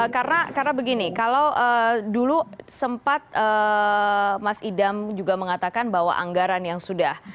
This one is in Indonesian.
karena begini dulu sempat mas idam juga mengatakan bahwa anggaran yang sudah